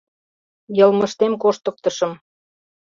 Йылмыштем коштыктышым...